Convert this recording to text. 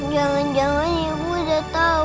jangan jangan ibu udah tahu